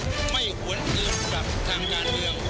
ผมไม่หวนอื่นกับทางยานเดียว